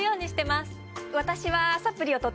私は。